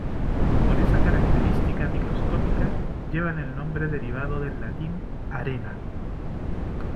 Por esa característica microscópica llevan el nombre derivado del latín "arena".